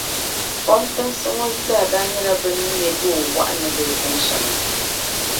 Fɔntinsi ŋɔ zaa daa nyɛla bɛ ni me goon’ wɔɣila gili tin’ shɛŋa.